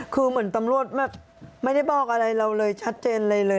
คือเหมือนตำรวจแบบไม่ได้บอกอะไรเราเลยชัดเจนอะไรเลย